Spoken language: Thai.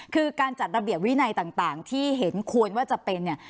คือการจัดระเบียบวินัยต่างที่เห็นควรว่าจะเป็นเนี่ย